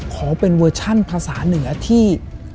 ขอเป็นเวอร์ชั่นภาษาเหนือที่